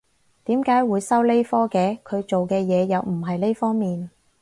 點解會收呢科嘅？佢做嘅嘢又唔係呢方面